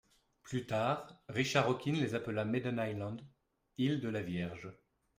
Plus tard, Richard Hawkins les appela Maiden-Islands, îles de la Vierge.